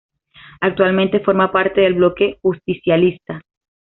Actualmente forma parte del Bloque Justicialista.